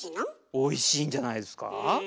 おいしいんじゃないですか。